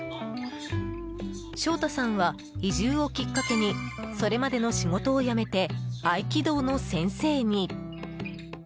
章太さんは移住をきっかけにそれまでの仕事を辞めて合気道の先生に。